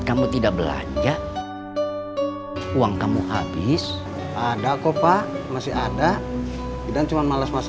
kau tidak belanja uang kamu habis ada kopa masih ada dan cuma males masak aja